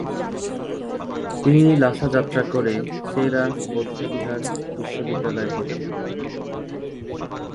তিনি লাসা যাত্রা করে সে-রা বৌদ্ধবিহার বিশ্ববিদ্যালয়ে ভর্তি হন।